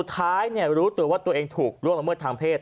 ท้ายรู้ตัวว่าตัวเองถูกล่วงละเมิดทางเพศ